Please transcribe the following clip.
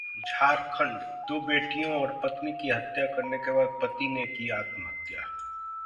झारखंड: दो बेटियों और पत्नी की हत्या करने के बाद पति ने की आत्महत्या